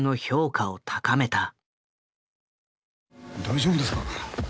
大丈夫ですか。